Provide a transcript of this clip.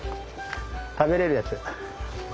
食べれるやつ。